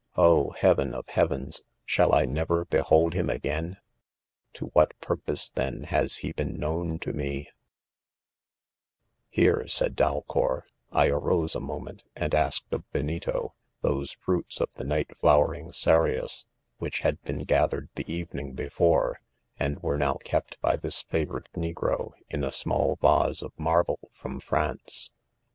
... oh, heaven of iiea« vens, shall I never behold him again] — to what purpose then, has he been known to me V "Here," said Dalcour, ;" I arose a moment, and asked of Benito, those fruits of the night flowering cereus which had been gathered the evening before, and were now kept by this favorite negro in a small vase of marble from France.